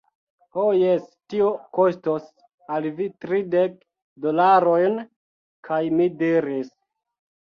Ho jes, tio kostos al vi tridek dolarojn. kaj mi diris: